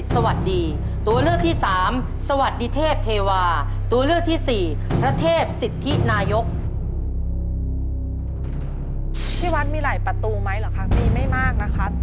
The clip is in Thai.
ที่วัดมีหลายประตูไหมเหรอคะมีไม่มากนะคะ